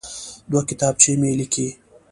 دوه کتابچې مه لیکئ.